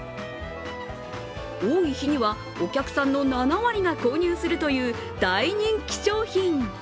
多い日にはお客さんの７割が購入するという大人気商品。